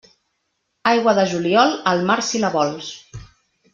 Aigua de juliol, al mar si la vols.